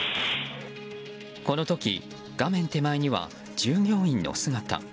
この時、画面手前には従業員の姿。